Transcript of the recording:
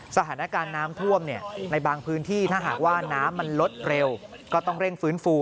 สถานการณ์น้ำท่วมในบางพื้นที่ถ้าหากว่าน้ำมันลดเร็วก็ต้องเร่งฟื้นฟู